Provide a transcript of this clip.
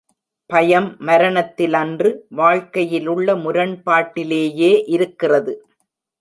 பயம் மரணத்திலன்று வாழ்க்கையிலுள்ள முரண்பாட்டிலேயே இருக்கிறது.